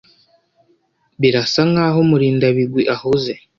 Birasa nkaho Murindabigwi ahuze.